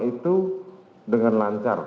itu dengan lancar